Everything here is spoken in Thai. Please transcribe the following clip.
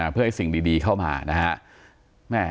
เพื่อให้สิ่งดีเข้ามานะฮะ